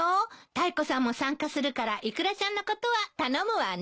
タイコさんも参加するからイクラちゃんのことは頼むわね。